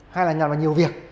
hai là nhiều việc